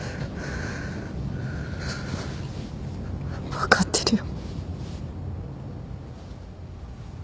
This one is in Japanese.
分かってるよ。